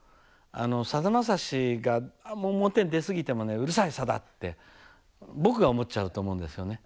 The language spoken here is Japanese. さだまさしがあんま表に出過ぎてもね「うるさいさだ！」って僕が思っちゃうと思うんですよね。